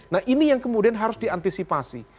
nah ini yang kemudian harus diantisipasi